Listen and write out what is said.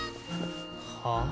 はあ？